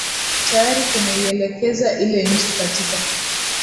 tayari kunaielekeza ile nchi katika